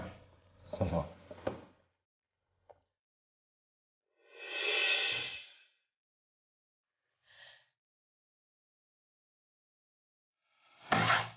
terima kasih pak